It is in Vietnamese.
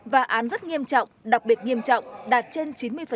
và án rất nghiêm trọng đặc biệt nghiêm trọng đạt trên chín mươi